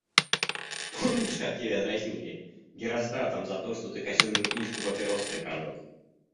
— Помнишь, как тебя дразнили? Геростратом за то, что ты казенную книжку папироской прожег.